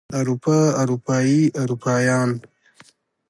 اروپا اروپايي اروپايان